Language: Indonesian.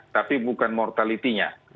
tapi bukan mortality nya